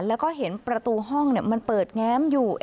แล้วก็เห็นประตูห้องมันเปิดแง้มอยู่